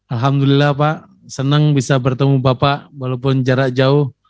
alhamdulillah pak senang bisa bertemu bapak walaupun jarak jauh